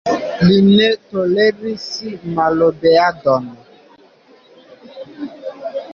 Li ne toleris malobeadon.